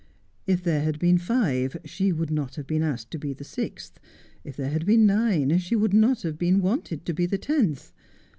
If there had been five she would not have been asked to be the sixth. If there had been nine she would not have been wanted to be the tenth.